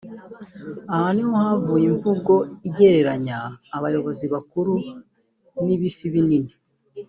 Aha ni ho havuye imvugo igereranya abayobozi bakuru n’ ‘ibifi binini’